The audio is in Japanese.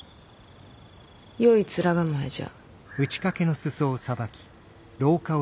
よい面構えじゃ。